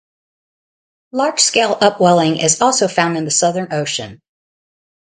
Large-scale upwelling is also found in the Southern Ocean.